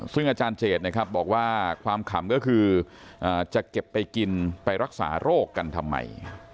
ซึ่งอาจารย์เจดนะครับบอกว่าความขำก็คือจะเก็บไปกินไปรักษาโรคกันทำไม